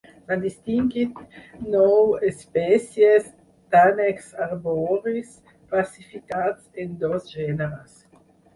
S'han distingit nou espècies d'ànecs arboris, classificats en dos gèneres.